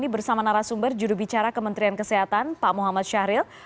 selamat malam mbak putri salam sehat semuanya